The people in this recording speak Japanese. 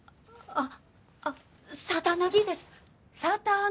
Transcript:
あっ。